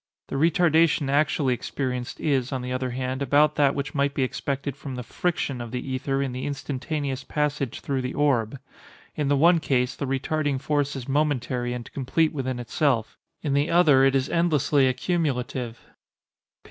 The retardation actually experienced is, on the other hand, about that which might be expected from the friction of the ether in the instantaneous passage through the orb. In the one case, the retarding force is momentary and complete within itself—in the other it is endlessly accumulative.